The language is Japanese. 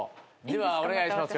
ではお願いします